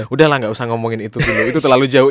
udah lah gak usah ngomongin itu dulu itu terlalu jauh